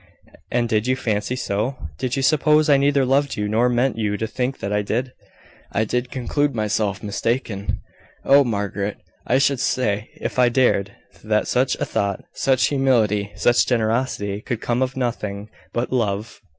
"And did you fancy so? Did you suppose I neither loved you, nor meant you to think that I did?" "I did conclude myself mistaken." "Oh, Margaret! I should say if I dared that such a thought such humility, such generosity could come of nothing but love."